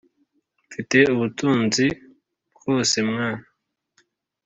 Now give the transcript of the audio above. mfite ubutunzi bwose mwana